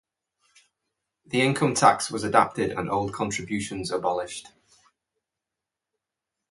The income tax was adapted and old contributions abolished.